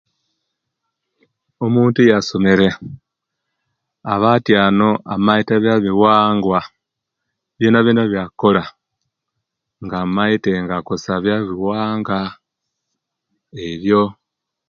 Omuntu eyasomere, aba atyanu amaite ebyawuwangwa, byonabyona ebyakola nga amaite, nga akozesya byabiwangwa ebyo.